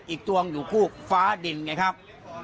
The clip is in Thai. อีกตัวอยู่ฟ้าดินไงครับ